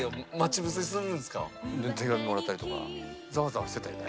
手紙もらったりとかザワザワしてたよね。